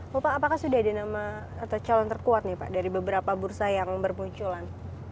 bapak apakah sudah ada nama atau calon terkuat nih pak dari beberapa bursa yang bermunculan